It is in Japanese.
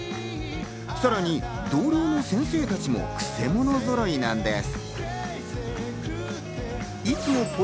さらに同僚の先生たちもクセ者ぞろいなんです。